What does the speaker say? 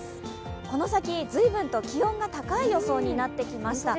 この先随分と気温が高い予想になってきました。